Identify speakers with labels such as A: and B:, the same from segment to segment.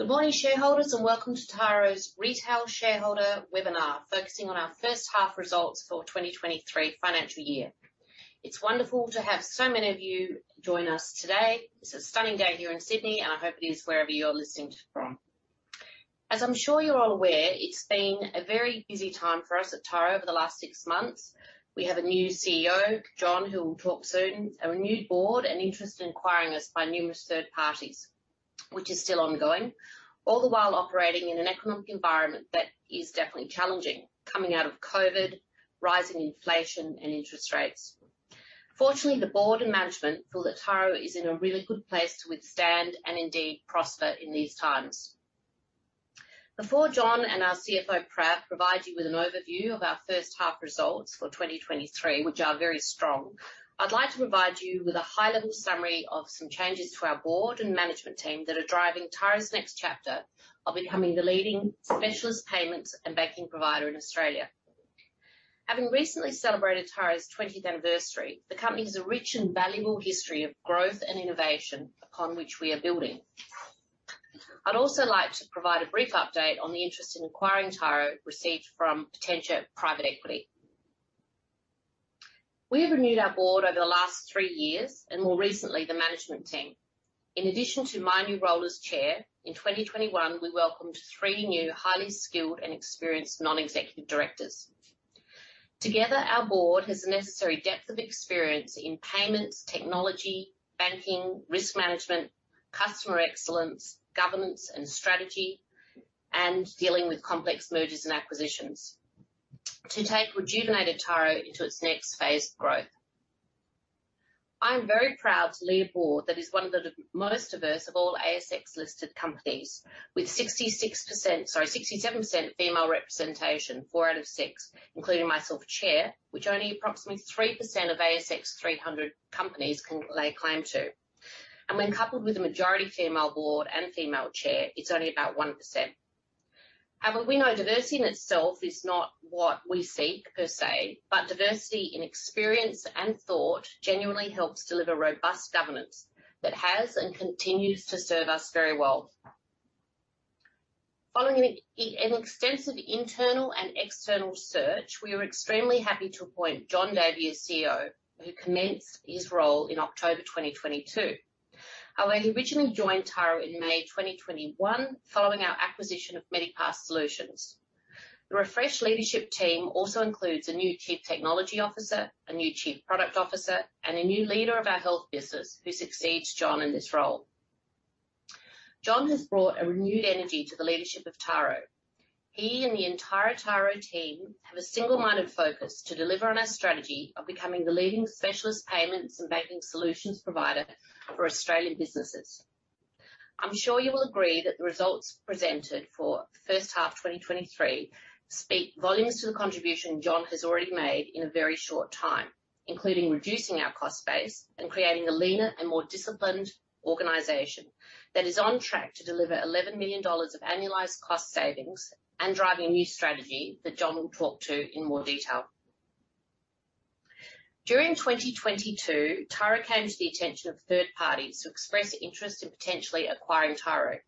A: Good morning, shareholders. Welcome to Tyro's retail shareholder webinar, focusing on our first half results for 2023 financial year. It's wonderful to have so many of you join us today. It's a stunning day here in Sydney. I hope it is wherever you're listening from. As I'm sure you're all aware, it's been a very busy time for us at Tyro over the last six months. We have a new CEO, Jon, who will talk soon, a renewed board. Interest in acquiring us by numerous third parties, which is still ongoing, all the while operating in an economic environment that is definitely challenging, coming out of COVID, rising inflation and interest rates. Fortunately, the board and management feel that Tyro is in a really good place to withstand and indeed prosper in these times. Before Jon and our CFO, Prav, provide you with an overview of our first half results for 2023, which are very strong, I'd like to provide you with a high-level summary of some changes to our board and management team that are driving Tyro's next chapter of becoming the leading specialist Payments and Banking provider in Australia. Having recently celebrated Tyro's 20th anniversary, the company has a rich and valuable history of growth and innovation upon which we are building. I'd also like to provide a brief update on the interest in acquiring Tyro received from Potentia private equity. We have renewed our board over the last three years and more recently, the management team. In addition to my new role as Chair, in 2021, we welcomed three new highly skilled and experienced non-executive directors. Together, our board has the necessary depth of experience in payments, technology, banking, risk management, customer excellence, governance and strategy, and dealing with complex mergers and acquisitions to take rejuvenated Tyro into its next phase of growth. I am very proud to lead a board that is one of the most diverse of all ASX-listed companies. With 66% 67% female representation, four out of six, including myself, Chair, which only approximately 3% of ASX 300 companies can lay claim to. When coupled with a majority female board and female chair, it's only about 1%. However, we know diversity in itself is not what we seek per se, but diversity in experience and thought genuinely helps deliver robust governance that has and continues to serve us very well. Following an extensive internal and external search, we are extremely happy to appoint Jon Davey as CEO, who commenced his role in October 2022. However, he originally joined Tyro in May 2021 following our acquisition of Medipass Solutions. The refreshed Leadership Team also includes a new chief technology officer, a new chief product officer, and a new leader of our health business who succeeds Jon in this role. Jon has brought a renewed energy to the leadership of Tyro. He and the entire Tyro team have a single-minded focus to deliver on our strategy of becoming the leading specialist payments and banking solutions provider for Australian businesses. I'm sure you will agree that the results presented for first half 2023 speak volumes to the contribution Jon has already made in a very short time, including reducing our cost base and creating a leaner and more disciplined organization that is on track to deliver 11 million dollars of annualized cost savings and driving a new strategy that Jon will talk to in more detail. During 2022, Tyro came to the attention of third parties who expressed interest in potentially acquiring Tyro.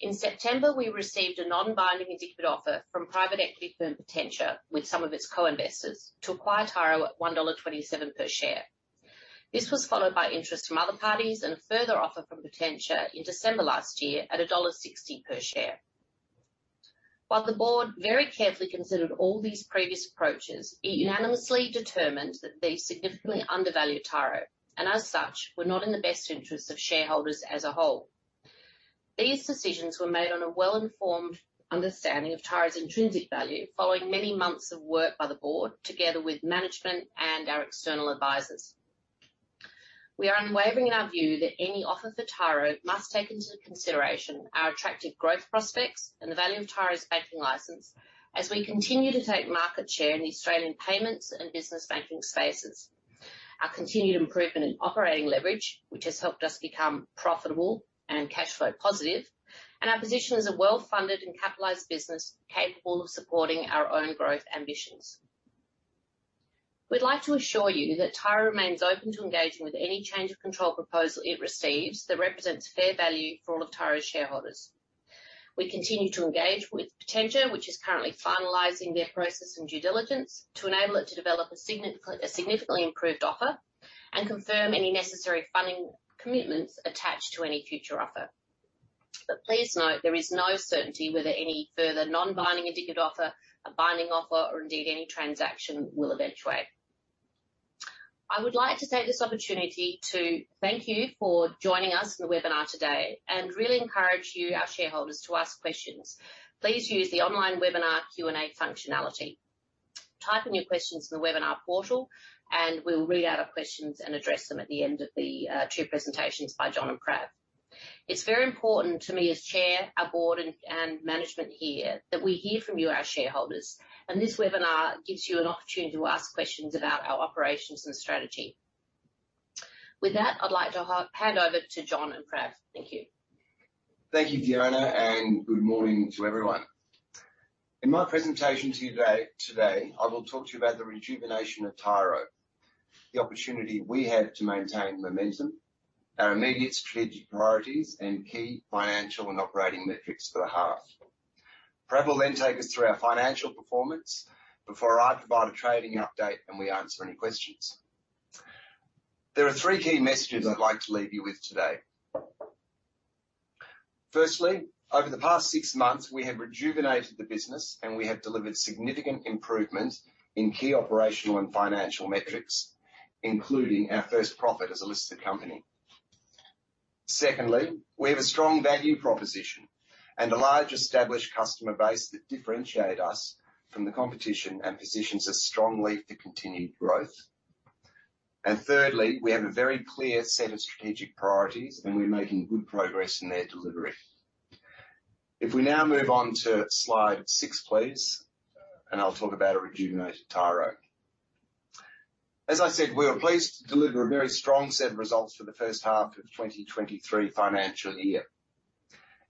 A: In September, we received a non-binding indicative offer from private equity firm, Potentia, with some of its co-investors to acquire Tyro at 1.27 dollar per share. This was followed by interest from other parties and a further offer from Potentia in December last year at dollar 1.60 per share. While the board very carefully considered all these previous approaches, it unanimously determined that these significantly undervalue Tyro and as such, were not in the best interest of shareholders as a whole. These decisions were made on a well-informed understanding of Tyro's intrinsic value, following many months of work by the board together with management and our external advisors. We are unwavering in our view that any offer for Tyro must take into consideration our attractive growth prospects and the value of Tyro's banking license as we continue to take market share in the Australian payments and business banking spaces. Our continued improvement in operating leverage, which has helped us become profitable and cash flow positive, and our position as a well-funded and capitalized business capable of supporting our own growth ambitions. We'd like to assure you that Tyro remains open to engaging with any change of control proposal it receives that represents fair value for all of Tyro's shareholders. We continue to engage with Potentia, which is currently finalizing their process and due diligence, to enable it to develop a significantly improved offer and confirm any necessary funding commitments attached to any future offer. Please note there is no certainty whether any further non-binding indicative offer, a binding offer, or indeed any transaction will eventuate. I would like to take this opportunity to thank you for joining us on the webinar today and really encourage you, our shareholders, to ask questions. Please use the online webinar Q&A functionality. Type in your questions in the webinar portal, and we'll read out our questions and address them at the end of the two presentations by Jon and Prav. It's very important to me as chair, our board and management here, that we hear from you, our shareholders, and this webinar gives you an opportunity to ask questions about our operations and strategy. With that, I'd like to hand over to Jon and Prav. Thank you.
B: Thank you, Fiona, good morning to everyone. In my presentation to you today, I will talk to you about the rejuvenation of Tyro, the opportunity we have to maintain momentum, our immediate strategic priorities, and key financial and operating metrics for the half. Prav will then take us through our financial performance before I provide a trading update and we answer any questions. There are three key messages I'd like to leave you with today. Firstly, over the past six months, we have rejuvenated the business and we have delivered significant improvement in key operational and financial metrics, including our first profit as a listed company. Secondly, we have a strong value proposition and a large established customer base that differentiate us from the competition and positions us strongly for continued growth. Thirdly, we have a very clear set of strategic priorities, and we're making good progress in their delivery. If we now move on to slide six, please. I'll talk about a rejuvenated Tyro. As I said, we were pleased to deliver a very strong set of results for the first half of 2023 financial year.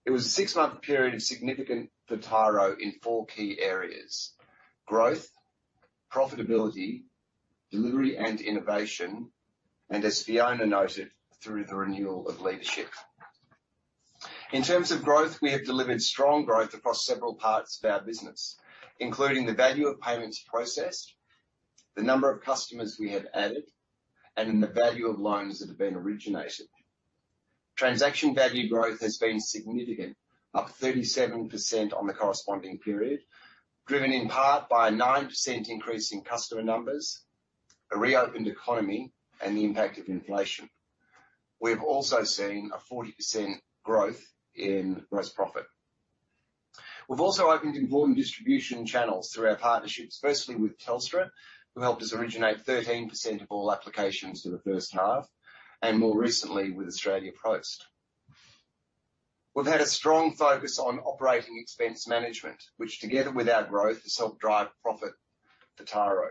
B: It was a six-month period of significant for Tyro in four key areas: growth, profitability, delivery, and innovation, and as Fiona noted, through the renewal of leadership. In terms of growth, we have delivered strong growth across several parts of our business, including the value of payments processed, the number of customers we have added, and in the value of loans that have been originated. Transaction value growth has been significant, up 37% on the corresponding period, driven in part by a 9% increase in customer numbers, a reopened economy, and the impact of inflation. We have also seen a 40% growth in gross profit. We've also opened important distribution channels through our partnerships, firstly with Telstra, who helped us originate 13% of all applications in the first half, and more recently with Australia Post. We've had a strong focus on operating expense management, which, together with our growth, has helped drive profit for Tyro.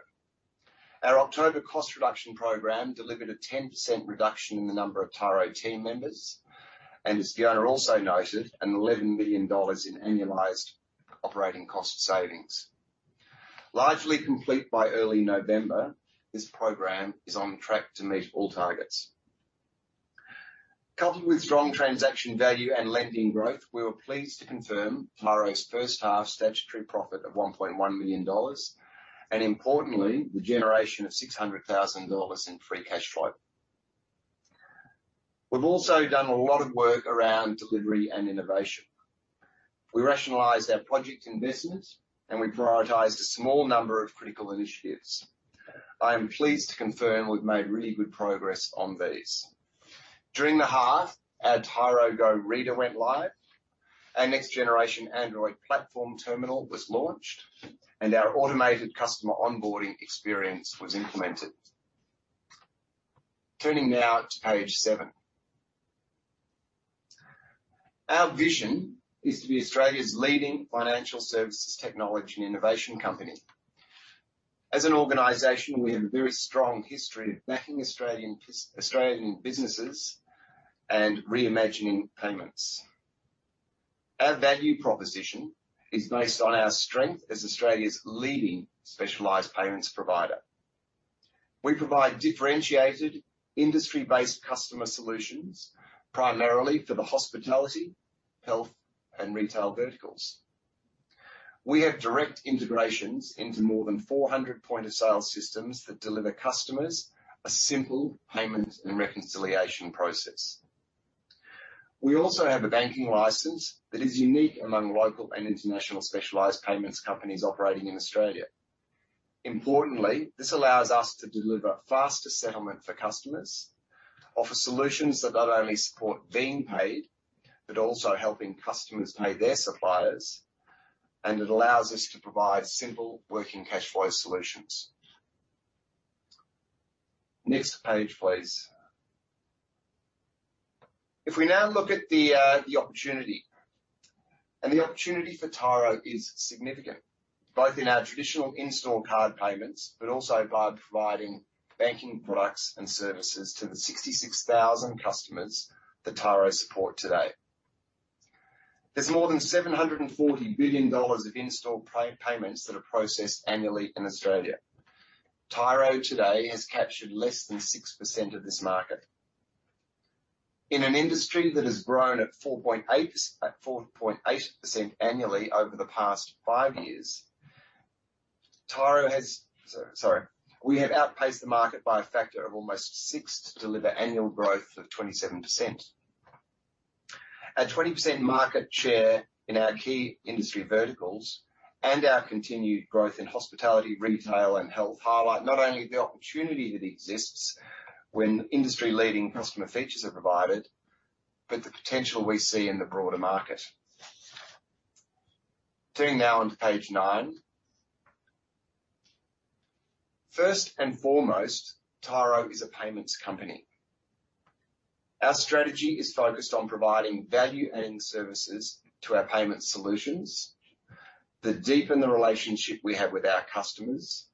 B: Our October cost reduction program delivered a 10% reduction in the number of Tyro team members, and as Fiona also noted, an 11 million dollars in annualized operating cost savings. Largely complete by early November, this program is on track to meet all targets. Coupled with strong transaction value and lending growth, we were pleased to confirm Tyro's first half statutory profit of 1.1 million dollars and importantly, the generation of 600,000 dollars in free cash flow. We've also done a lot of work around delivery and innovation. We rationalized our project investment. We prioritized a small number of critical initiatives. I am pleased to confirm we've made really good progress on these. During the half, our Tyro Go reader went live, our next generation Android platform terminal was launched. Our automated customer onboarding experience was implemented. Turning now to page seven. Our vision is to be Australia's leading financial services, technology, and innovation company. As an organization, we have a very strong history of backing Australian businesses and reimagining payments. Our value proposition is based on our strength as Australia's leading specialized payments provider. We provide differentiated industry-based customer solutions primarily for the hospitality, health, and retail verticals. We have direct integrations into more than 400 point-of-sale systems that deliver customers a simple payment and reconciliation process. We also have a banking license that is unique among local and international specialized payments companies operating in Australia. Importantly, this allows us to deliver faster settlement for customers, offer solutions that not only support being paid, but also helping customers pay their suppliers, and it allows us to provide simple working cash flow solutions. Next page, please. If we now look at the opportunity, and the opportunity for Tyro is significant, both in our traditional in-store card payments, but also by providing Banking products and services to the 66,000 customers that Tyro support today. There's more than 740 billion dollars of in-store pay-payments that are processed annually in Australia. Tyro today has captured less than 6% of this market. In an industry that has grown at 4.8% annually over the past five years. Sorry. We have outpaced the market by a factor of almost 6% to deliver annual growth of 27%. At 20% market share in our key industry verticals and our continued growth in hospitality, retail, and health highlight not only the opportunity that exists when industry-leading customer features are provided, but the potential we see in the broader market. Turning now onto page nine. First and foremost, Tyro is a payments company. Our strategy is focused on providing value-adding services to our payment solutions that deepen the relationship we have with our customers.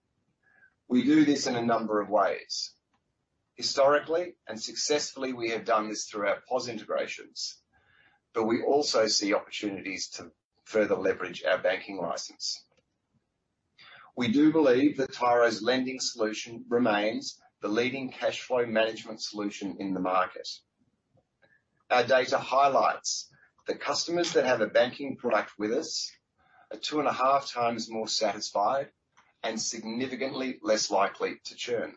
B: We do this in a number of ways. Historically and successfully, we have done this through our POS integrations. We also see opportunities to further leverage our banking license. We do believe that Tyro's lending solution remains the leading cash flow management solution in the market. Our data highlights that customers that have a Banking product with us are 2.5x more satisfied and significantly less likely to churn.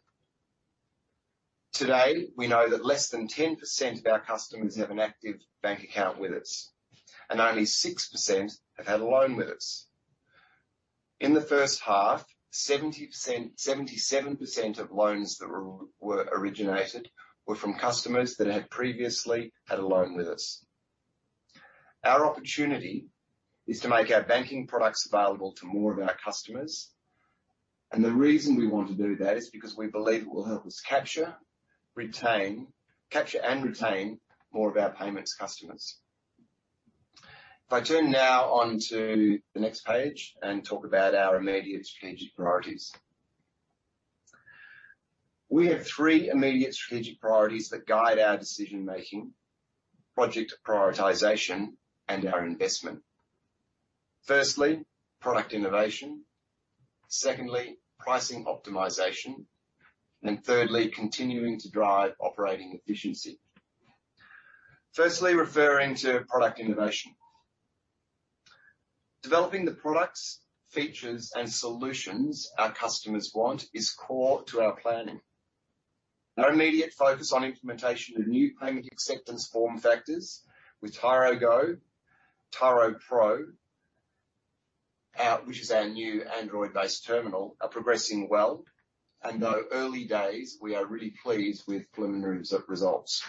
B: Today, we know that less than 10% of our customers have an active bank account with us. Only 6% have had a loan with us. In the first half, 77% of loans that were originated were from customers that had previously had a loan with us. Our opportunity is to make our Banking products available to more of our customers, the reason we want to do that is because we believe it will help us capture and retain more of our Payments customers. If I turn now onto the next page and talk about our immediate strategic priorities. We have three immediate strategic priorities that guide our decision-making, project prioritization, and our investment. Firstly, product innovation. Secondly, pricing optimization. Thirdly, continuing to drive operating efficiency. Firstly, referring to product innovation. Developing the products, features, and solutions our customers want is core to our planning. Our immediate focus on implementation of new payment acceptance form factors with Tyro Go, Tyro Pro, which is our new Android-based terminal, are progressing well. Though early days, we are really pleased with preliminaries of results.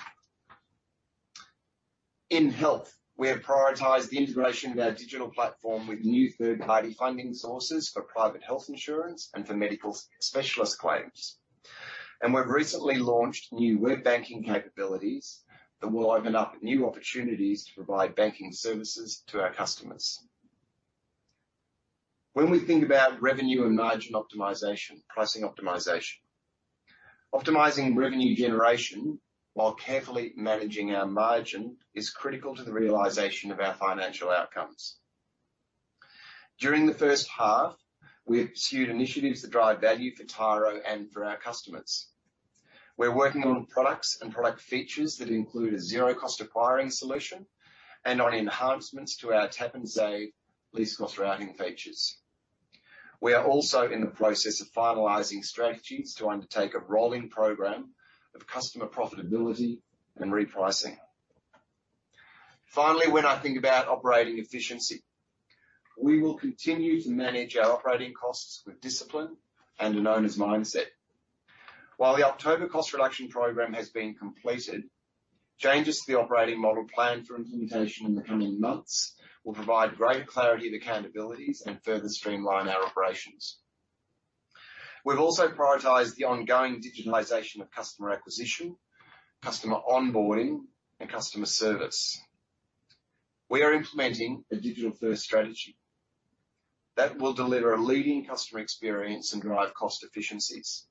B: In health, we have prioritized the integration of our digital platform with new third-party funding sources for private health insurance and for medical specialist claims. We've recently launched new web banking capabilities that will open up new opportunities to provide banking services to our customers. When we think about revenue and margin optimization, pricing optimization. Optimizing revenue generation while carefully managing our margin is critical to the realization of our financial outcomes. During the first half, we pursued initiatives that drive value for Tyro and for our customers. We're working on products and product features that include a zero-cost acquiring solution and on enhancements to our Tap & Save least-cost routing features. We are also in the process of finalizing strategies to undertake a rolling program of customer profitability and repricing. Finally, when I think about operating efficiency, we will continue to manage our operating costs with discipline and an owner's mindset. While the October cost reduction program has been completed, changes to the operating model plan for implementation in the coming months will provide greater clarity of accountabilities and further streamline our operations. We've also prioritized the ongoing digitalization of customer acquisition, customer onboarding, and customer service. We are implementing a digital-first strategy that will deliver a leading customer experience and drive cost efficiencies.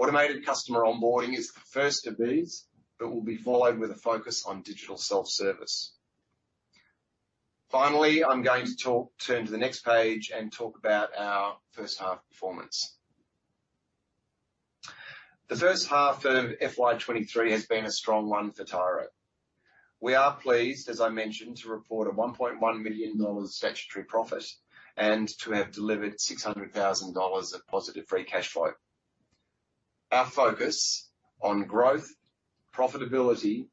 B: Automated customer onboarding is the first of these that will be followed with a focus on digital self-service. Finally, I'm going to turn to the next page and talk about our first half performance. The first half of FY 2023 has been a strong one for Tyro. We are pleased, as I mentioned, to report an 1.1 million dollars statutory profit and to have delivered 600,000 dollars of positive free cash flow. Our focus on growth, profitability,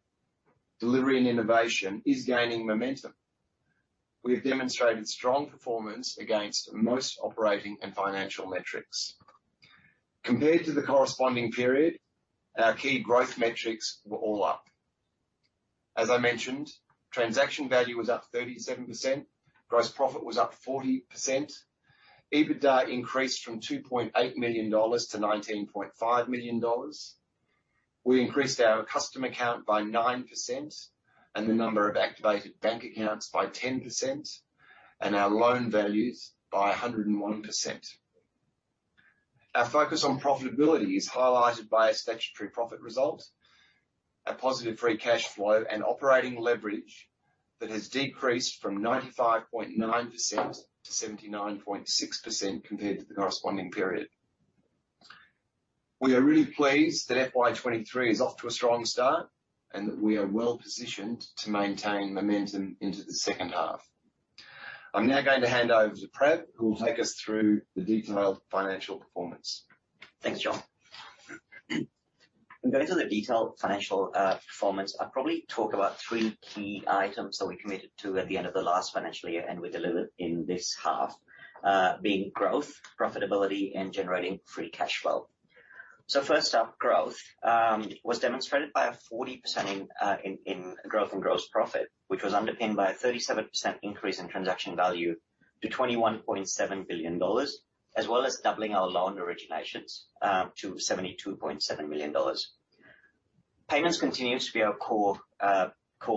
B: delivery, and innovation is gaining momentum. We have demonstrated strong performance against most operating and financial metrics. Compared to the corresponding period, our key growth metrics were all up. As I mentioned, transaction value was up 37%, gross profit was up 40%, EBITDA increased from 2.8 million-19.5 million dollars. We increased our customer count by 9% and the number of activated bank accounts by 10%, and our loan values by 101%. Our focus on profitability is highlighted by a statutory profit result, a positive free cash flow, and operating leverage that has decreased from 95.9%-79.6% compared to the corresponding period. We are really pleased that FY 2023 is off to a strong start and that we are well-positioned to maintain momentum into the second half. I'm now going to hand over to Prav, who will take us through the detailed financial performance.
C: Thanks, Jon. In going through the detailed financial performance, I'll probably talk about three key items that we committed to at the end of the last financial year and we delivered in this half, being growth, profitability, and generating free cash flow. First up, growth was demonstrated by a 40% in growth and gross profit, which was underpinned by a 37% increase in transaction value to 21.7 billion dollars, as well as doubling our loan originations to 72.7 million dollars. Payments continues to be our core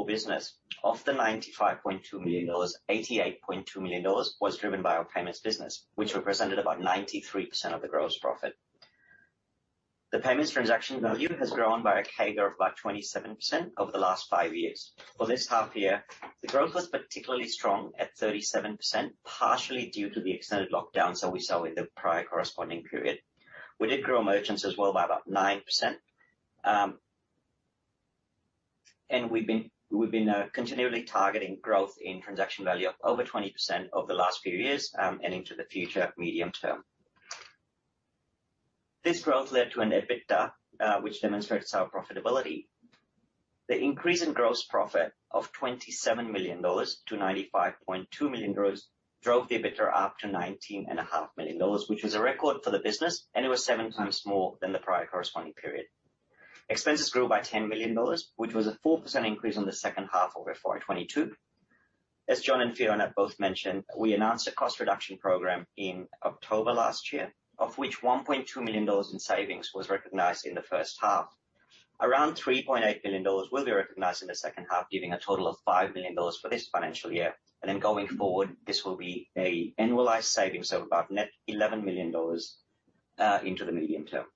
C: business. Of the 95.2 million dollars, 88.2 million dollars was driven by our Payments business, which represented about 93% of the gross profit. The Payments transaction value has grown by a CAGR of about 27% over the last five years. For this half year, the growth was particularly strong at 37%, partially due to the extended lockdowns that we saw in the prior corresponding period. We did grow merchants as well by about 9%. We've been continually targeting growth in transaction value of over 20% over the last few years and into the future medium-term. This growth led to an EBITDA, which demonstrates our profitability. The increase in gross profit of 27 million-95.2 million dollars drove the EBITDA up to 19.5 million dollars, which was a record for the business, and it was 7x more than the prior corresponding period. Expenses grew by 10 million dollars, which was a 4% increase on the second half over FY 2022. As Jon and Fiona both mentioned, we announced a cost reduction program in October last year, of which 1.2 million dollars in savings was recognized in the first half. Around 3.8 million dollars will be recognized in the second half, giving a total of 5 million dollars for this financial year. Going forward, this will be an annualized savings of about net 11 million dollars into the medium term.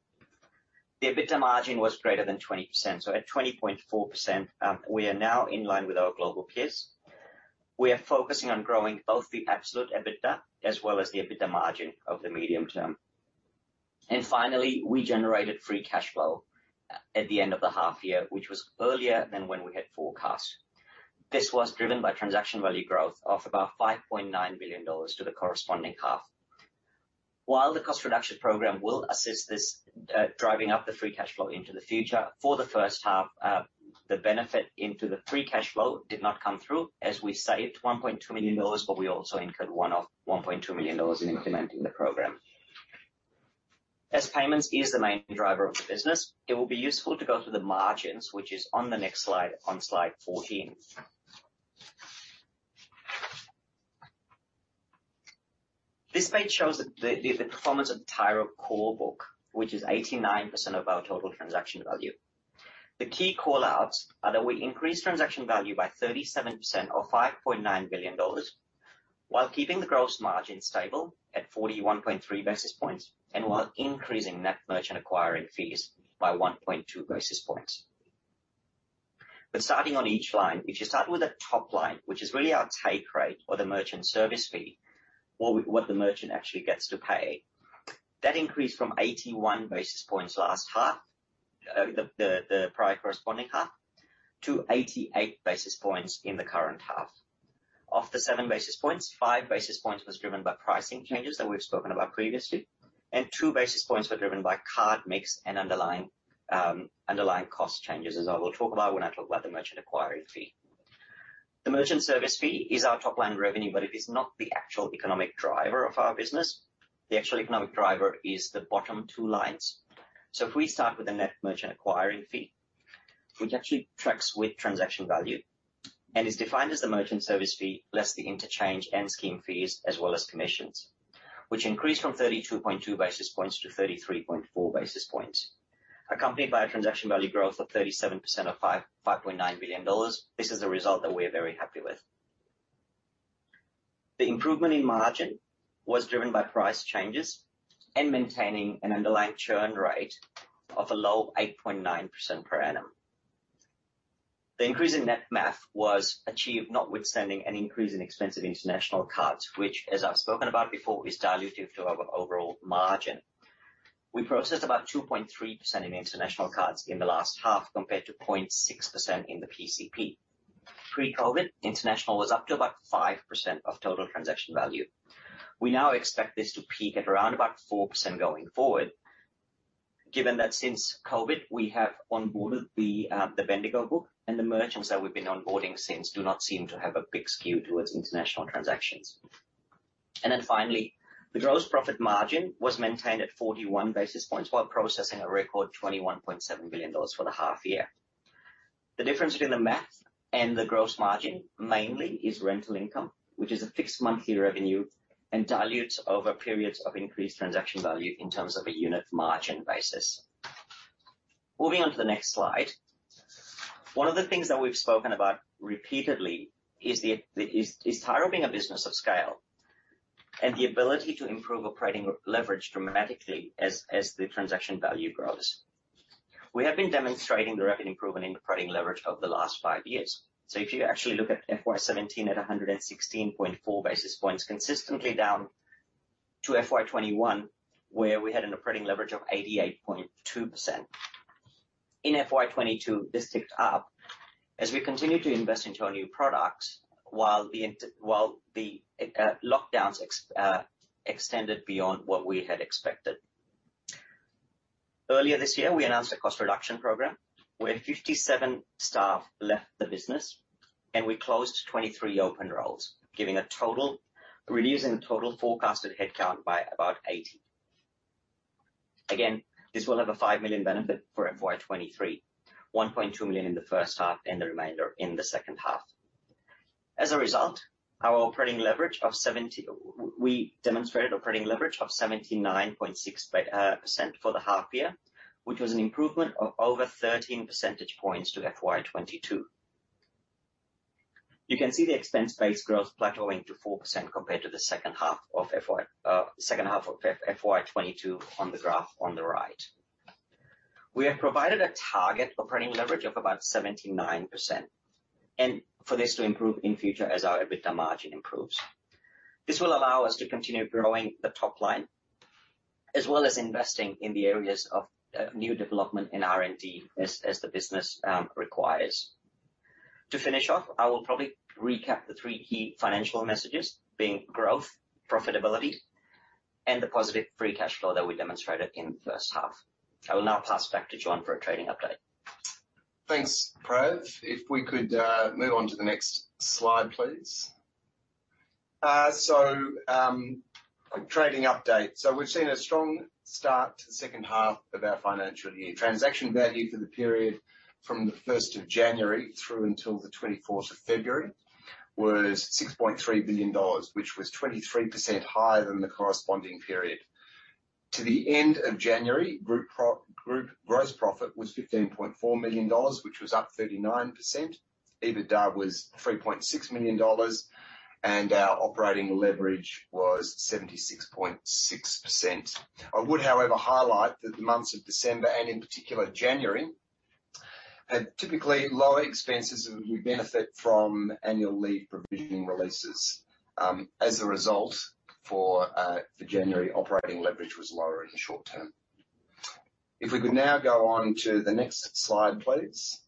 C: The EBITDA margin was greater than 20%. At 20.4%, we are now in line with our global peers. We are focusing on growing both the absolute EBITDA as well as the EBITDA margin of the medium term. Finally, we generated free cash flow at the end of the half year, which was earlier than when we had forecast. This was driven by transaction value growth of about 5.9 billion dollars to the corresponding half. While the cost reduction program will assist this, driving up the free cash flow into the future, for the first half, the benefit into the free cash flow did not come through as we saved 1.2 million dollars, but we also incurred one of 1.2 million dollars in implementing the program. As Payments is the main driver of the business, it will be useful to go through the margins, which is on the next slide, on slide 14. This page shows the performance of the Tyro core book, which is 89% of our total transaction value. The key call-outs are that we increased transaction value by 37% or 5.9 billion dollars, while keeping the gross margin stable at 41.3 basis points, and while increasing net merchant acquiring fees by 1.2 basis points. Starting on each line, if you start with the top line, which is really our take rate or the Merchant Service Fee, or what the merchant actually gets to pay. That increased from 81 basis points last half, the prior corresponding half, to 88 basis points in the current half. Of the 7 basis points, 5 basis points was driven by pricing changes that we've spoken about previously, and 2 basis points were driven by card mix and underlying cost changes, as I will talk about when I talk about the merchant acquiring fee. The Merchant Service Fee is our top-line revenue, but it is not the actual economic driver of our business. The actual economic driver is the bottom two lines. If we start with the net merchant acquiring fee, which actually tracks with transaction value and is defined as the Merchant Service Fee, less the interchange and scheme fees, as well as commissions, which increased from 32.2 basis points-33.4 basis points. Accompanied by a transaction value growth of 37% of 5.9 billion dollars, this is a result that we're very happy with. The improvement in margin was driven by price changes and maintaining an underlying churn rate of a low 8.9% per annum. The increase in net margin was achieved notwithstanding an increase in expensive international cards, which, as I've spoken about before, is dilutive to our overall margin. We processed about 2.3% in international cards in the last half, compared to 0.6% in the PCP. Pre-COVID, international was up to about 5% of total transaction value. We now expect this to peak at around about 4% going forward, given that since COVID, we have onboarded the Bendigo book and the merchants that we've been onboarding since do not seem to have a big skew towards international transactions. Finally, the gross profit margin was maintained at 41 basis points while processing a record 21.7 billion dollars for the half year. The difference between the math and the gross margin mainly is rental income, which is a fixed monthly revenue and dilutes over periods of increased transaction value in terms of a unit margin basis. Moving on to the next slide. One of the things that we've spoken about repeatedly is Tyro being a business of scale, and the ability to improve operating leverage dramatically as the transaction value grows. We have been demonstrating the rapid improvement in operating leverage over the last five years. If you actually look at FY 2017 at 116.4 basis points, consistently down to FY 2021, where we had an operating leverage of 88.2%. In FY 2022, this ticked up as we continued to invest into our new products while the lockdowns extended beyond what we had expected. Earlier this year, we announced a cost reduction program where 57 staff left the business and we closed 23 open roles, reducing the total forecasted headcount by about 80. Again, this will have an 5 million benefit for FY 2023, 1.2 million in the first half and the remainder in the second half. We demonstrated operating leverage of 79.6% for the half year, which was an improvement of over 13 percentage points to FY 2022. You can see the expense base growth plateauing to 4% compared to the second half of FY. Second half of FY 2022 on the graph on the right. We have provided a target operating leverage of about 79%. For this to improve in future as our EBITDA margin improves. This will allow us to continue growing the top line, as well as investing in the areas of new development in R&D as the business requires. To finish off, I will probably recap the three key financial messages being growth, profitability, and the positive free cash flow that we demonstrated in the first half. I will now pass back to Jon for a trading update.
B: Thanks, Prav. If we could move on to the next slide, please. Trading update. We've seen a strong start to the second half of our financial year. Transaction value for the period from the 1st of January through until the 24th of February was 6.3 billion dollars, which was 23% higher than the corresponding period. To the end of January, group gross profit was 15.4 million dollars, which was up 39%. EBITDA was 3.6 million dollars, and our operating leverage was 76.6%. I would, however, highlight that the months of December, and in particular January, had typically lower expenses and we benefit from annual leave provisioning releases. As a result for the January operating leverage was lower in the short term. If we could now go on to the next slide, please.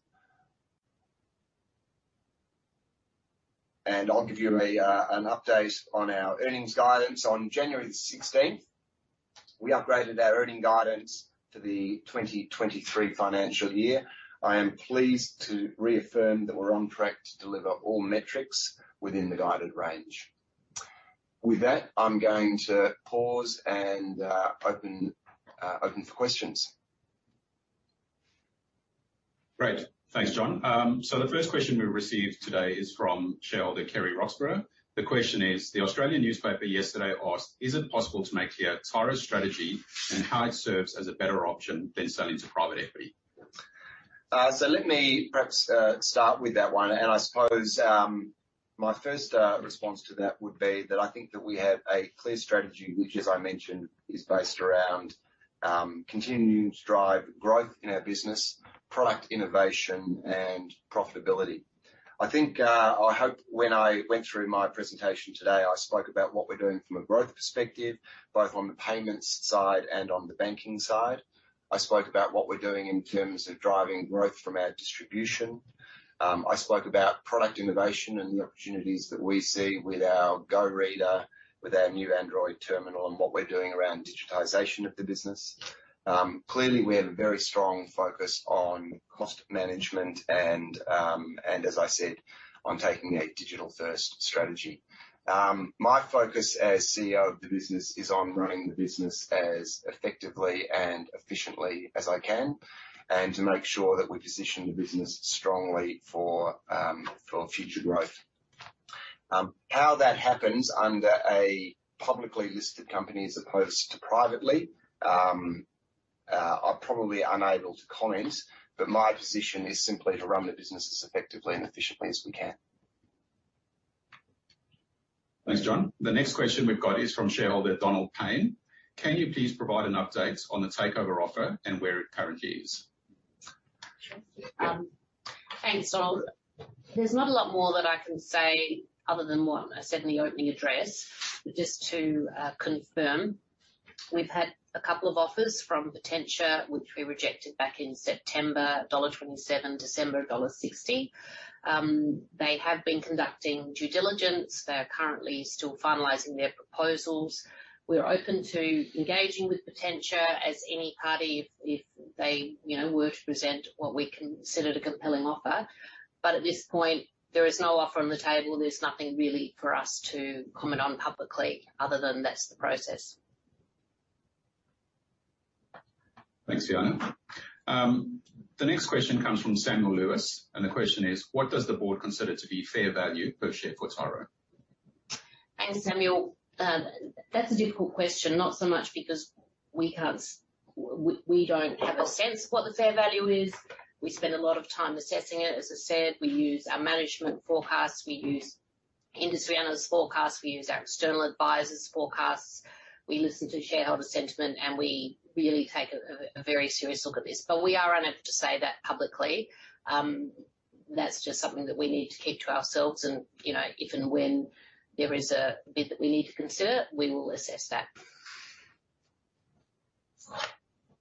B: I'll give you an update on our earnings guidance. On January 16th, we upgraded our earnings guidance to the 2023 financial year. I am pleased to reaffirm that we're on track to deliver all metrics within the guided range. With that, I'm going to pause and open for questions.
D: Great. Thanks, Jon. The first question we've received today is from shareholder Kerry Roxburgh. The question is: The Australian newspaper yesterday asked, "Is it possible to make clear Tyro's strategy and how it serves as a better option than selling to private equity?
B: Let me perhaps start with that one. My first response to that would be that I think that we have a clear strategy, which as I mentioned, is based around continuing to drive growth in our business, product innovation and profitability. I hope when I went through my presentation today, I spoke about what we're doing from a growth perspective, both on the Payments side and on the Banking side. I spoke about what we're doing in terms of driving growth from our distribution. I spoke about product innovation and the opportunities that we see with our Go reader, with our new Android terminal and what we're doing around digitization of the business. Clearly, we have a very strong focus on cost management and as I said, on taking a digital-first strategy. My focus as CEO of the business is on running the business as effectively and efficiently as I can, and to make sure that we position the business strongly for future growth. How that happens under a publicly listed company as opposed to privately, I'm probably unable to comment, but my position is simply to run the business as effectively and efficiently as we can.
D: Thanks, Jon. The next question we've got is from shareholder Donald Payne. Can you please provide an update on the takeover offer and where it currently is?
A: Sure. Thanks, Donald. There's not a lot more that I can say other than what I said in the opening address. Just to confirm, we've had a couple of offers from Potentia, which we rejected back in September, dollar 1.27, December, dollar 1.60. They have been conducting due diligence. They are currently still finalizing their proposals. We're open to engaging with Potentia as any party if they, you know, were to present what we considered a compelling offer. At this point, there is no offer on the table. There's nothing really for us to comment on publicly other than that's the process.
D: Thanks, Fiona. The next question comes from Samuel Lewis. The question is: What does the board consider to be fair value per share for Tyro?
A: Thanks, Samuel. That's a difficult question. Not so much because we don't have a sense of what the fair value is. We spend a lot of time assessing it. As I said, we use our management forecasts, we use industry analysts' forecasts, we use our external advisors' forecasts, we listen to shareholder sentiment, and we really take a very serious look at this. We are unable to say that publicly. That's just something that we need to keep to ourselves and, you know, if and when there is a bit that we need to consider, we will assess that.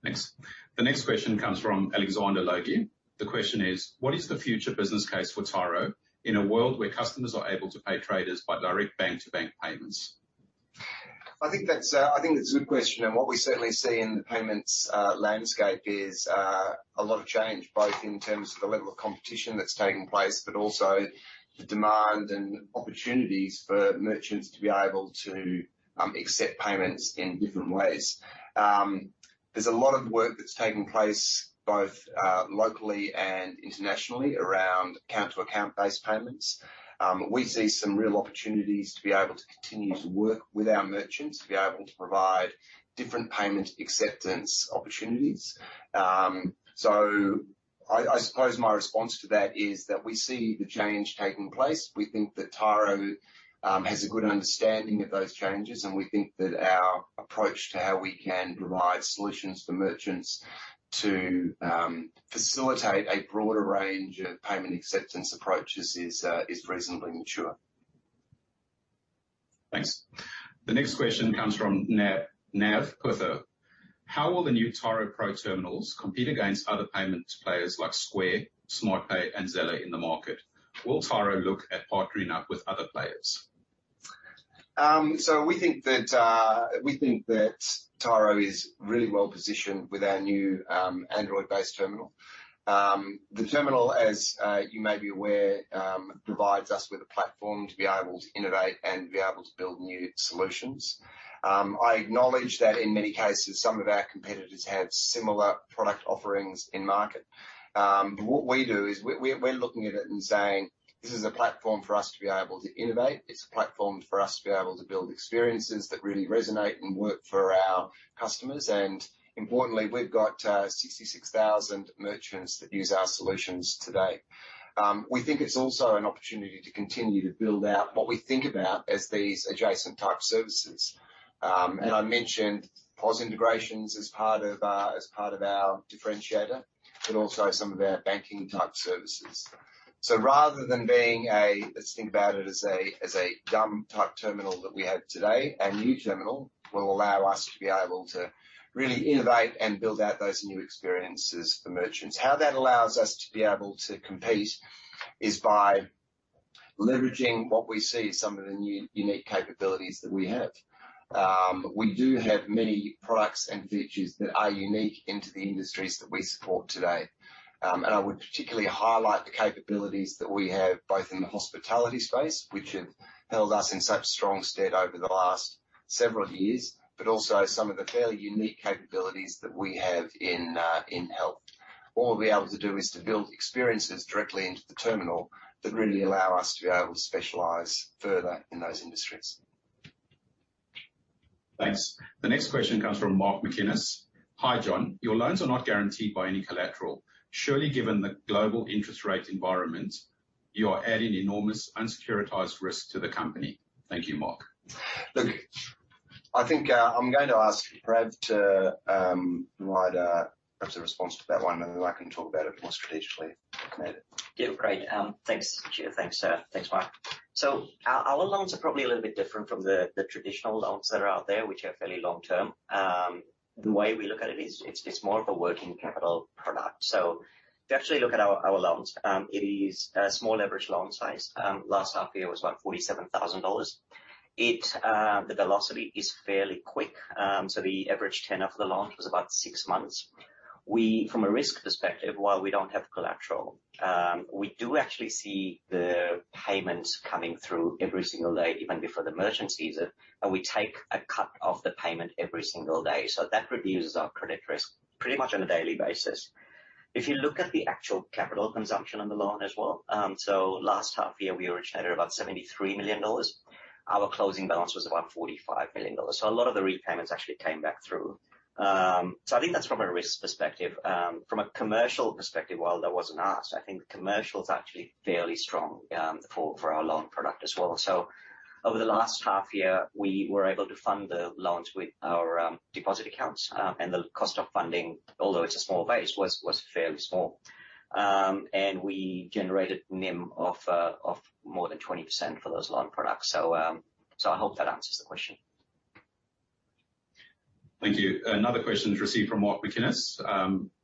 D: Thanks. The next question comes from Alexander Logie. The question is: What is the future business case for Tyro in a world where customers are able to pay traders by direct bank-to-bank payments?
B: I think that's, I think that's a good question. What we certainly see in the payments landscape is a lot of change, both in terms of the level of competition that's taking place, but also the demand and opportunities for merchants to be able to accept payments in different ways. There's a lot of work that's taking place both locally and internationally around account-to-account-based payments. We see some real opportunities to be able to continue to work with our merchants to be able to provide different payment acceptance opportunities. I suppose my response to that is that we see the change taking place. We think that Tyro has a good understanding of those changes, we think that our approach to how we can provide solutions for merchants to facilitate a broader range of payment acceptance approaches is reasonably mature.
D: Thanks. The next question comes from Nav Purtha. How will the new Tyro Pro terminals compete against other payments players like Square, Smartpay and Zeller in the market? Will Tyro look at partnering up with other players?
B: We think that Tyro is really well-positioned with our new Android-based terminal. The terminal, as you may be aware, provides us with a platform to be able to innovate and be able to build new solutions. I acknowledge that in many cases, some of our competitors have similar product offerings in market. What we do is we're looking at it and saying, "This is a platform for us to be able to innovate. It's a platform for us to be able to build experiences that really resonate and work for our customers." Importantly, we've got 66,000 merchants that use our solutions today. We think it's also an opportunity to continue to build out what we think about as these adjacent type services. I mentioned POS integrations as part of our differentiator, but also some of our Banking type services. Rather than being a dumb type terminal that we have today, our new terminal will allow us to be able to really innovate and build out those new experiences for merchants. How that allows us to be able to compete is by leveraging what we see as some of the new unique capabilities that we have. We do have many products and features that are unique into the industries that we support today. I would particularly highlight the capabilities that we have both in the hospitality space, which have held us in such strong stead over the last several years, but also some of the fairly unique capabilities that we have in health. What we'll be able to do is to build experiences directly into the terminal that really allow us to be able to specialize further in those industries.
D: Thanks. The next question comes from Mark McInnes. Hi, Jon. Your loans are not guaranteed by any collateral. Surely, given the global interest rate environment, you are adding enormous unsecuritized risk to the company. Thank you, Mark.
B: Look, I think, I'm going to ask Prav to provide perhaps a response to that one, and then I can talk about it more strategically.
D: Okay.
C: Yeah, great. Thanks. Sure, thanks, Mark. Our loans are probably a little bit different from the traditional loans that are out there, which are fairly long term. The way we look at it is it's more of a working capital product. If you actually look at our loans, it is a small average loan size. Last half year was about 47,000 dollars. It, the velocity is fairly quick. The average tenure of the loan was about six months. From a risk perspective, while we don't have collateral, we do actually see the payments coming through every single day, even before the merchant sees it, and we take a cut of the payment every single day. That reduces our credit risk pretty much on a daily basis. If you look at the actual capital consumption on the loan as well, last half year we originated about 73 million dollars. Our closing balance was about 45 million dollars. A lot of the repayments actually came back through. I think that's from a risk perspective. From a commercial perspective, while that wasn't asked, I think commercial is actually fairly strong for our loan product as well. Over the last half year, we were able to fund the loans with our deposit accounts. The cost of funding, although it's a small base, was fairly small. We generated NIM of more than 20% for those loan products. I hope that answers the question.
D: Thank you. Another question is received from Mark McInnes.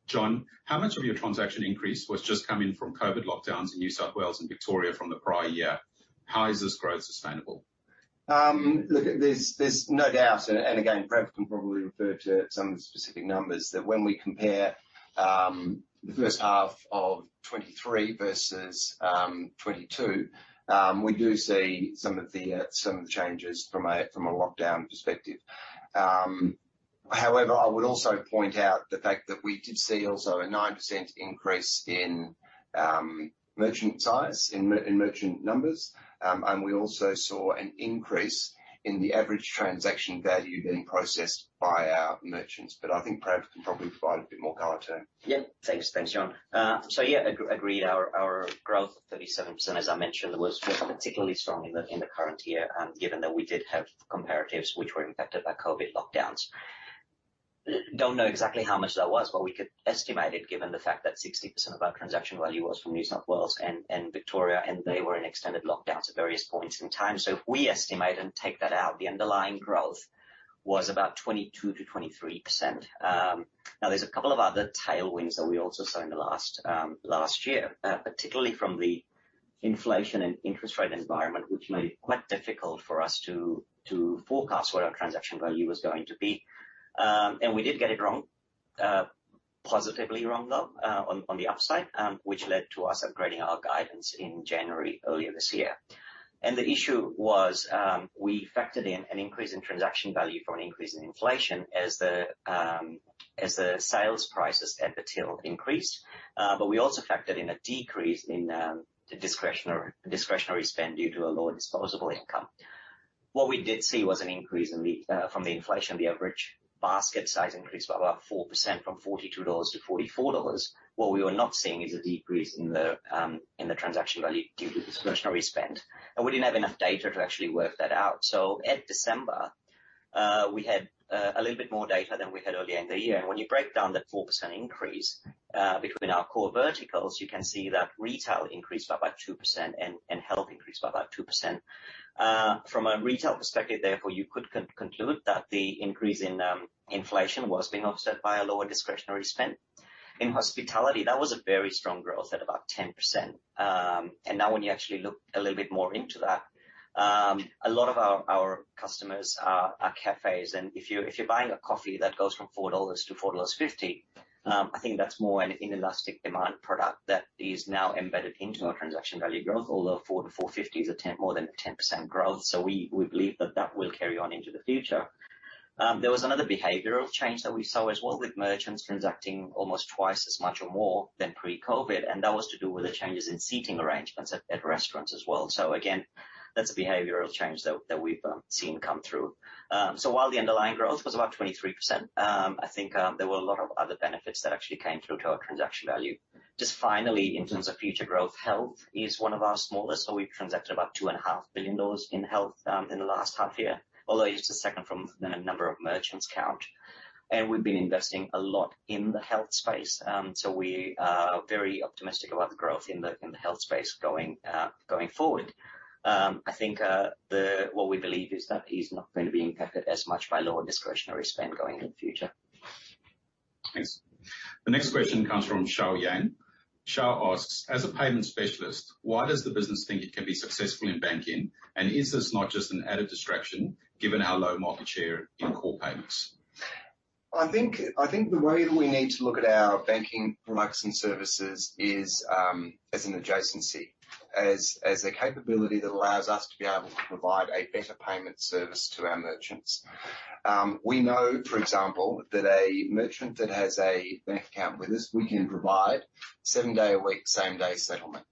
D: Jon, how much of your transaction increase was just coming from COVID lockdowns in New South Wales and Victoria from the prior year? How is this growth sustainable?
B: look, there's no doubt, again, Prav can probably refer to some specific numbers, that when we compare, the first half of 2023 versus, 2022, we do see some of the changes from a lockdown perspective. I would also point out the fact that we did see also a 9% increase in merchant size, in merchant numbers. We also saw an increase in the average transaction value getting processed by our merchants. I think Prav can probably provide a bit more color to it.
C: Thanks. Thanks, Jon. Agreed our growth of 37%, as I mentioned, was particularly strong in the current year, given that we did have comparatives which were impacted by COVID lockdowns. Don't know exactly how much that was, but we could estimate it given the fact that 60% of our transaction value was from New South Wales and Victoria, and they were in extended lockdowns at various points in time. If we estimate and take that out, the underlying growth was about 22%-23%. There's a couple of other tailwinds that we also saw in the last year, particularly from the inflation and interest rate environment, which made it quite difficult for us to forecast what our transaction value was going to be. We did get it wrong, positively wrong, though, on the upside, which led to us upgrading our guidance in January earlier this year. The issue was, we factored in an increase in transaction value from an increase in inflation as the, as the sales prices at the till increased. We also factored in a decrease in the discretionary spend due to a lower disposable income. What we did see was an increase in the from the inflation. The average basket size increased by about 4% from 42-44 dollars. What we were not seeing is a decrease in the in the transaction value due to discretionary spend. We didn't have enough data to actually work that out. At December, we had a little bit more data than we had earlier in the year. When you break down that 4% increase between our core verticals, you can see that retail increased by about 2% and health increased by about 2%. From a retail perspective, therefore, you could conclude that the increase in inflation was being offset by a lower discretionary spend. In hospitality, that was a very strong growth at about 10%. Now when you actually look a little bit more into that, a lot of our customers are cafes. If you're buying a coffee that goes from 4-4.50 dollars, I think that's more an inelastic demand product that is now embedded into our transaction value growth. 4-4.50 is a 10%, more than a 10% growth, we believe that that will carry on into the future. There was another behavioral change that we saw as well with merchants transacting almost 2x as much or more than pre-COVID, and that was to do with the changes in seating arrangements at restaurants as well. Again, that's a behavioral change that we've seen come through. While the underlying growth was about 23%, I think there were a lot of other benefits that actually came through to our transaction value. In terms of future growth, health is one of our smallest. We've transacted about 2.5 billion dollars in health in the last half year, although it's the second from the number of merchants count. We've been investing a lot in the health space. We are very optimistic about the growth in the health space going forward. What we believe is that is not going to be impacted as much by lower discretionary spend going in the future.
D: Thanks. The next question comes from Xiao Yang. Xiao asks, "As a payment specialist, why does the business think it can be successful in banking? Is this not just an added distraction given our low market share in core Payments?
B: I think the way we need to look at our Banking products and services is as an adjacency. As a capability that allows us to be able to provide a better payment service to our merchants. We know, for example, that a merchant that has a bank account with us, we can provide seven day a week, same-day settlement.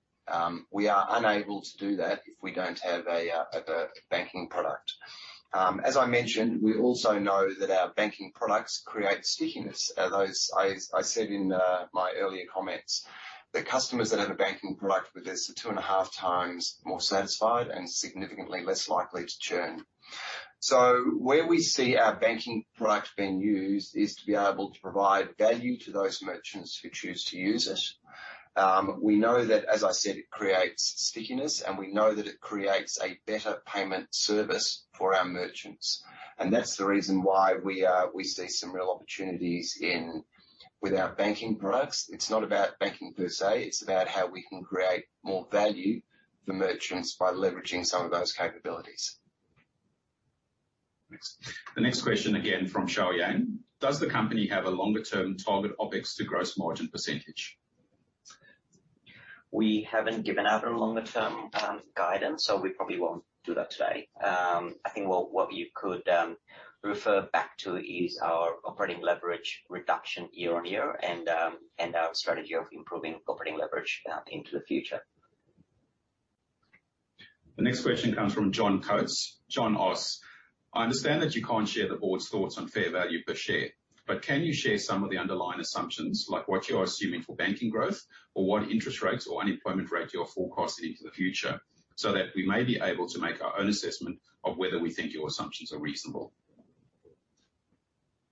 B: We are unable to do that if we don't have a Banking product. As I mentioned, we also know that our Banking products create stickiness. As I said in my earlier comments, the customers that have a Banking product with us are 2.5x more satisfied and significantly less likely to churn. Where we see our Banking product being used is to be able to provide value to those merchants who choose to use it. We know that, as I said, it creates stickiness. We know that it creates a better payment service for our merchants. That's the reason why we see some real opportunities with our Banking products. It's not about banking per se, it's about how we can create more value for merchants by leveraging some of those capabilities.
D: Thanks. The next question again from Xiao Yang. "Does the company have a longer-term target OpEx to gross margin percentage?
C: We haven't given out a longer-term guidance, so we probably won't do that today. I think what you could refer back to is our operating leverage reduction year-over-year and our strategy of improving operating leverage into the future.
D: The next question comes from John Coates. John asks, "I understand that you can't share the board's thoughts on fair value per share, but can you share some of the underlying assumptions like what you are assuming for Banking growth or what interest rates or unemployment rate you're forecasting into the future, so that we may be able to make our own assessment of whether we think your assumptions are reasonable?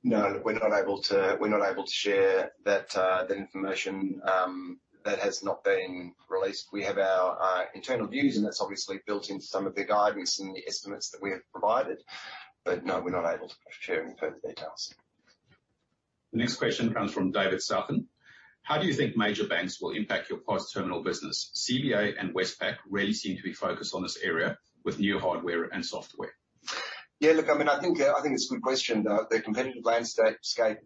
B: No, we're not able to share that information that has not been released. We have our internal views, and that's obviously built into some of the guidance and the estimates that we have provided. No, we're not able to share any further details.
D: The next question comes from David Sutphin. "How do you think major banks will impact your POS terminal business? CBA and Westpac really seem to be focused on this area with new hardware and software.
B: Yeah, look, I mean, I think it's a good question. The competitive landscape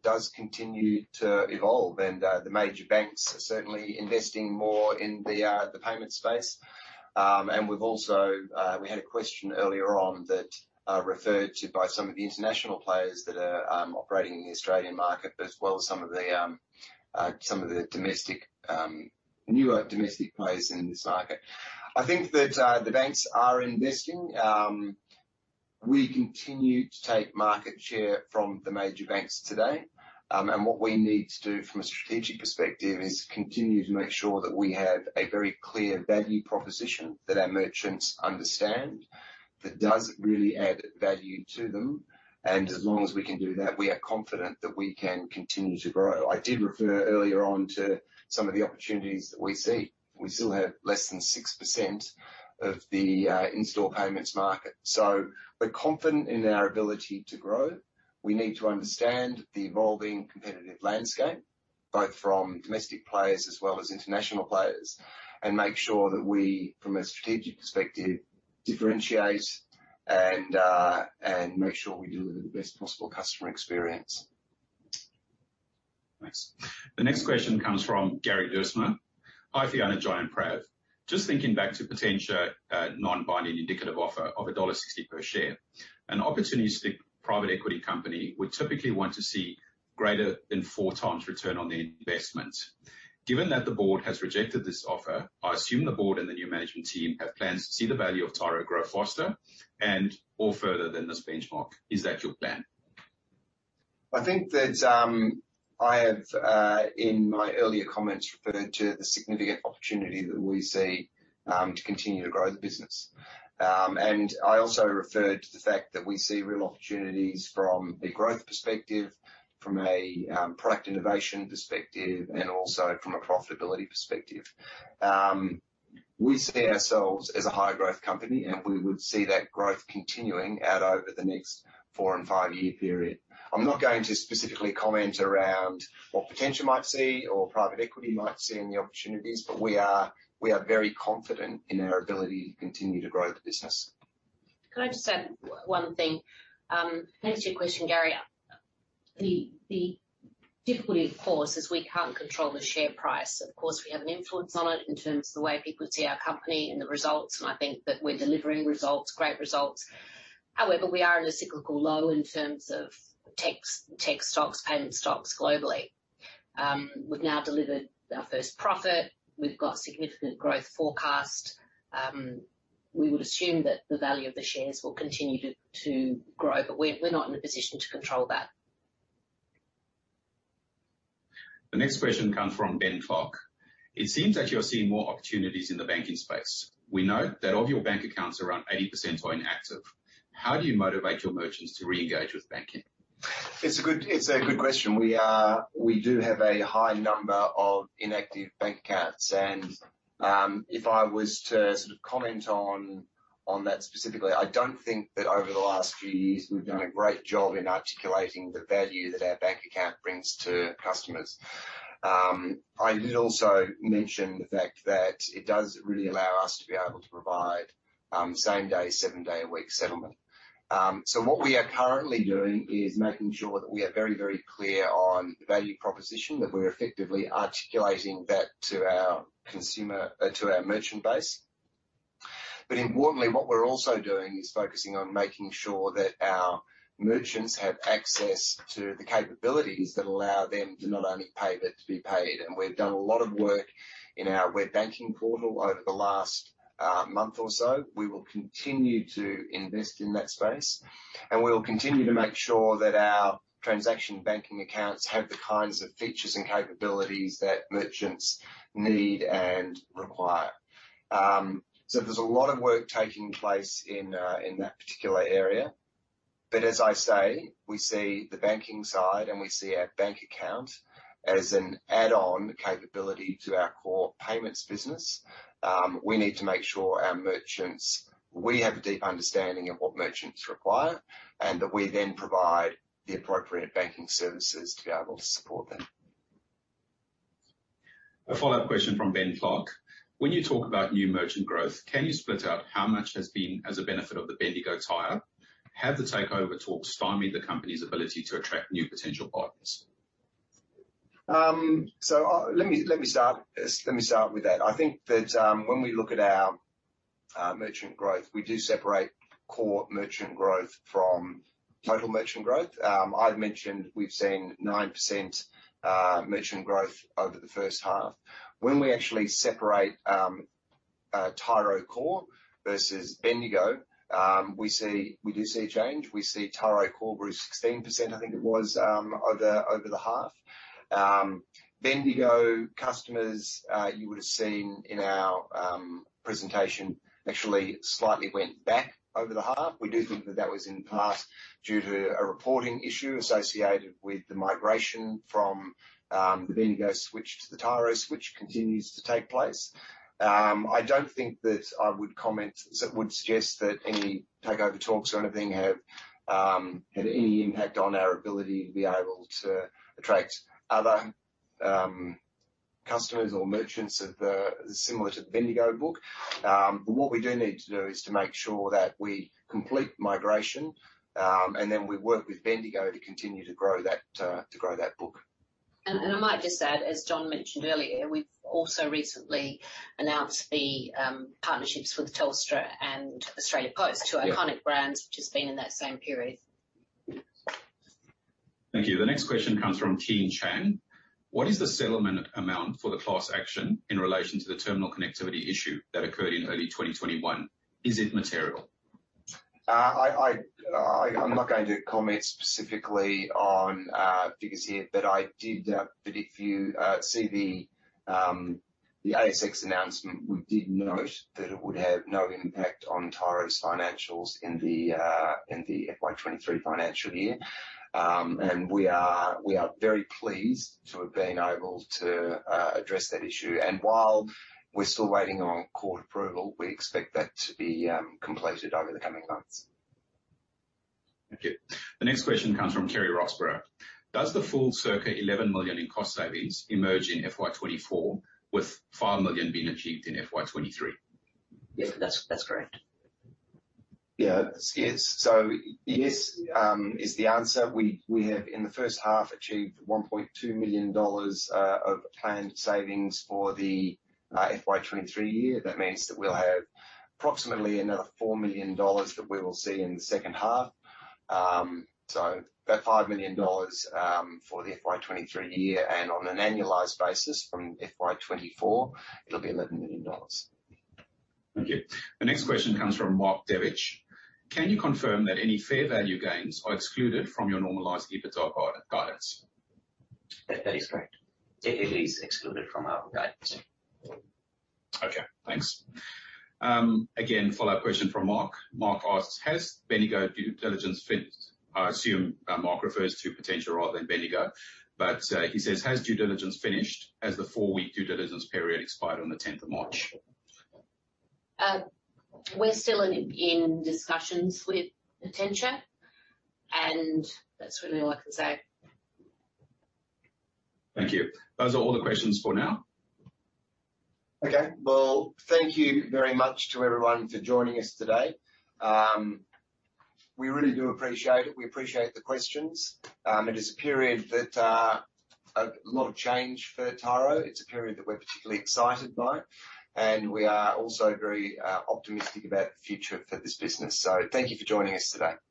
B: does continue to evolve and the major banks are certainly investing more in the payment space. We had a question earlier on that referred to by some of the international players that are operating in the Australian market, as well as some of the domestic, newer domestic players in this market. I think that the banks are investing. We continue to take market share from the major banks today. What we need to do from a strategic perspective is continue to make sure that we have a very clear value proposition that our merchants understand, that does really add value to them. As long as we can do that, we are confident that we can continue to grow. I did refer earlier on to some of the opportunities that we see. We still have less than 6% of the in-store payments market. We're confident in our ability to grow. We need to understand the evolving competitive landscape, both from domestic players as well as international players, and make sure that we, from a strategic perspective, differentiate and make sure we deliver the best possible customer experience.
D: Thanks. The next question comes from Garry Duursma. "Hi, Fiona, Jon, and Prav. Just thinking back to Potentia non-binding indicative offer of dollar 1.60 per share. An opportunistic private equity company would typically want to see greater than 4x return on their investment. Given that the board has rejected this offer, I assume the board and the new management team have plans to see the value of Tyro grow faster and or further than this benchmark. Is that your plan?
B: I think that, I have, in my earlier comments, referred to the significant opportunity that we see, to continue to grow the business. I also referred to the fact that we see real opportunities from a growth perspective, from a, product innovation perspective, and also from a profitability perspective. We see ourselves as a high growth company, and we would see that growth continuing out over the next four and five-year period. I'm not going to specifically comment around what potential might see or private equity might see in the opportunities, but we are very confident in our ability to continue to grow the business.
A: Could I just add one thing? Thanks for your question, Garry. The difficulty of course is we can't control the share price. Of course, we have an influence on it in terms of the way people see our company and the results, and I think that we're delivering results, great results. However, we are in a cyclical low in terms of tech stocks, payment stocks globally. We've now delivered our first profit. We've got significant growth forecast. We would assume that the value of the shares will continue to grow, but we're not in a position to control that.
D: The next question comes from Ben Falk. It seems that you're seeing more opportunities in the banking space. We know that of your bank accounts, around 80% are inactive. How do you motivate your merchants to re-engage with Banking?
B: It's a good question. We do have a high number of inactive bank accounts, and if I was to sort of comment on that specifically, I don't think that over the last few years we've done a great job in articulating the value that our bank account brings to customers. I did also mention the fact that it does really allow us to be able to provide same-day, seven day a week settlement. What we are currently doing is making sure that we are very, very clear on the value proposition, that we're effectively articulating that to our consumer, to our merchant base. Importantly, what we're also doing is focusing on making sure that our merchants have access to the capabilities that allow them to not only pay, but to be paid. We've done a lot of work in our web banking portal over the last month or so. We will continue to invest in that space, and we will continue to make sure that our transaction banking accounts have the kinds of features and capabilities that merchants need and require. There's a lot of work taking place in that particular area. As I say, we see the Banking side, and we see our bank account as an add-on capability to our core Payments business. We have a deep understanding of what merchants require and that we then provide the appropriate banking services to be able to support them.
D: A follow-up question from Ben Falk. When you talk about new merchant growth, can you split out how much has been as a benefit of the Bendigo tie-up? Have the takeover talks stymied the company's ability to attract new potential partners?
B: Let me start with that. I think that, when we look at our merchant growth, we do separate core merchant growth from total merchant growth. I've mentioned we've seen 9% merchant growth over the first half. When we actually separate Tyro core versus Bendigo, we do see a change. We see Tyro core grew 16%, I think it was, over the half. Bendigo customers, you would have seen in our presentation actually slightly went back over the half. We do think that that was in part due to a reporting issue associated with the migration from the Bendigo switch to the Tyro switch continues to take place. I don't think that I would comment, would suggest that any takeover talks or anything have had any impact on our ability to be able to attract other customers or merchants of similar to the Bendigo book. What we do need to do is to make sure that we complete migration, and then we work with Bendigo to continue to grow that book.
A: I might just add, as Jon mentioned earlier, we've also recently announced the partnerships with Telstra and Australia Post.
B: Yeah.
A: Two iconic brands which has been in that same period.
D: Thank you. The next question comes from Kean Chan. What is the settlement amount for the class action in relation to the terminal connectivity issue that occurred in early 2021? Is it material?
B: I'm not going to comment specifically on figures here, but I did. If you see the ASX announcement, we did note that it would have no impact on Tyro's financials in the FY 2023 financial year. We are very pleased to have been able to address that issue. While we're still waiting on court approval, we expect that to be completed over the coming months.
D: Okay. The next question comes from Kerry Roxburgh. Does the full circa 11 million in cost savings emerge in FY 2024, with 5 million being achieved in FY 2023?
C: Yeah, that's correct.
B: Yeah. Yes is the answer. We have in the first half achieved 1.2 million dollars of planned savings for the FY 2023 year. That means that we'll have approximately another 4 million dollars that we will see in the second half. About 5 million dollars for the FY 2023 year. On an annualized basis from FY 2024, it'll be AUD 11 million.
D: Okay. The next question comes from Mark Devich. Can you confirm that any fair value gains are excluded from your normalized EBITDA guidance?
C: That is correct. It is excluded from our guidance.
D: Okay, thanks. Again, follow-up question from Mark. Mark asks, "Has Bendigo due diligence finished?" I assume, Mark refers to potential rather than Bendigo. He says, "Has due diligence finished as the four-week due diligence period expired on the 10th of March?
A: We're still in discussions with Potentia, and that's really all I can say.
D: Thank you. Those are all the questions for now.
B: Okay. Well, thank you very much to everyone for joining us today. We really do appreciate it. We appreciate the questions. It is a period that a lot of change for Tyro. It's a period that we're particularly excited by and we are also very optimistic about the future for this business. Thank you for joining us today.